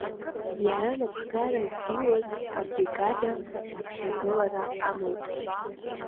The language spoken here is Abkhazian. Иара напхгара ззиуаз абригада аԥхьагылара амоуп.